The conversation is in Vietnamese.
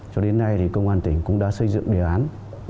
cho đến nay thì công an tỉnh cũng đã xây dựng đề án